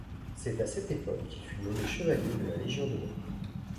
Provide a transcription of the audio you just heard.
C'est à cette époque qu'il fut nommé chevalier de la Légion d'honneur.